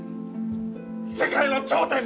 世界の頂点だ！